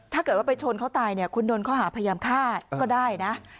ถ้าเกิดว่าไปชนเขาตายเนี่ยคุณโดนข้อหาพยายามฆ่าก็ได้นะ